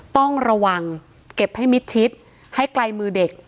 ต้องระวังเก็บให้มิดชิดให้ไกลมือเด็ก